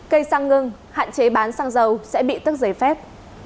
cây xăng ngưng hạn chế bán xăng dầu sẽ bị tức giấy phép